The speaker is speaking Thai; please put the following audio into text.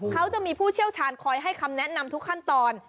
เขาจะมีผู้เชี่ยวชาญคอยให้คำแนะนำทุกขั้นตอน